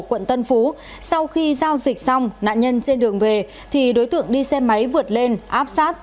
quận tân phú sau khi giao dịch xong nạn nhân trên đường về thì đối tượng đi xe máy vượt lên áp sát